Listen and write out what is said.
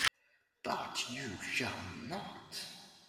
But you shall not!